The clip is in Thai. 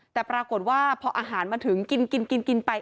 แต่ปรากฏว่าพออาหารมาถึงกินกินไป